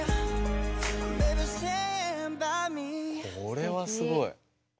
これはすごい！